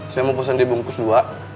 saya mau pesen dibungkus dua